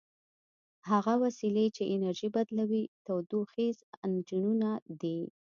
هغه وسیلې چې انرژي بدلوي تودوخیز انجنونه دي.